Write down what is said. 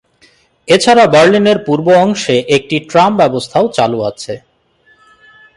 এছাড়া বার্লিনের পূর্ব অংশে একটি ট্রাম ব্যবস্থাও চালু আছে।